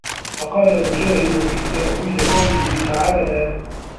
وَقَالَ مُجَاهِدٌ فِي تَأْوِيلِ قَوْله تَعَالَى